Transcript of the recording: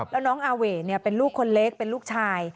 แล้วน้องอาเว่เป็นลูกคนเล็กเป็นลูกชาย